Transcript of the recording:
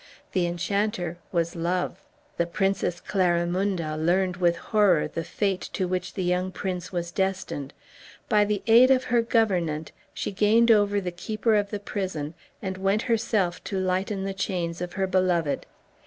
The enchanter was Love. The Princess Clarimunda learned with horror the fate to which the young prince was destined. By the aid of her governante she gained over the keeper of the prison, and went herself to lighten the chains of her beloved.